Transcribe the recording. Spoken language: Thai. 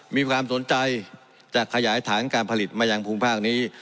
มีความสนใจจะขยายฐานการผลิตมายังภูมิภาคนี้